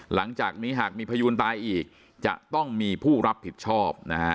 หลังจากนี้หากมีพยูนตายอีกจะต้องมีผู้รับผิดชอบนะฮะ